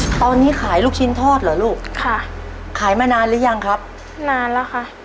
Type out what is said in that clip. ตอนนี้ขายลูกชิ้นทอดเหรอลูกค่ะขายมานานหรือยังครับนานแล้วค่ะ